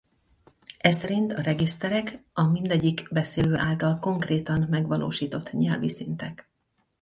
Eszerint a regiszterek a mindegyik beszélő által konkrétan megvalósított nyelvi szintek.